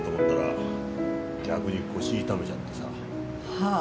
はあ。